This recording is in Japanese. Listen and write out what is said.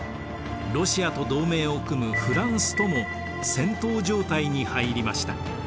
ロシアと同盟を組むフランスとも戦闘状態に入りました。